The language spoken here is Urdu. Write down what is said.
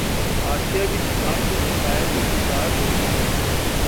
آسیہ بھی شناخت کے مسائل کا شکار ہوتی ہے